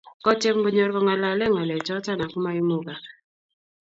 kotyem konyor kongalele ngalek choton ak maimugak